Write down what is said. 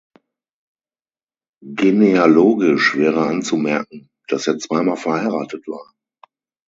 Genealogisch wäre anzumerken, dass er zweimal verheiratet war.